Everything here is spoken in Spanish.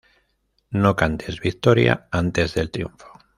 No cantes victoria antes del triunfo